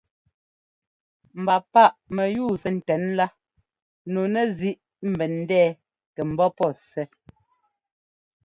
Mba páꞌ mɛyúu sɛ ńtɛn lá nu nɛzíꞌ ḿbɛn ńdɛɛ kɛ ḿbɔ́ pɔ́ sɛ́.